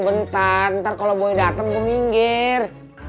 bentar ntar kalau boy dateng gue minggir